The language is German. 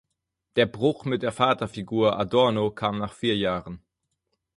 Der Bruch mit der Vaterfigur Adorno kam nach vier Jahren.